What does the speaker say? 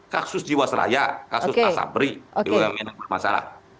kasus jiwasraya kasus asabri bumn yang bermasalah